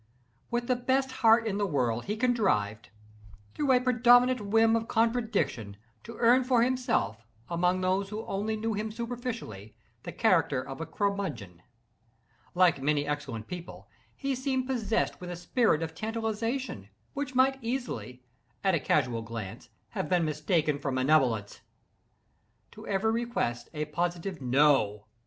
With the best heart in the world, he contrived, through a predominant whim of contradiction, to earn for himself, among those who only knew him superficially, the character of a curmudgeon. Like many excellent people, he seemed possessed with a spirit of tantalization, which might easily, at a casual glance, have been mistaken for malevolence. To every request, a positive "No!"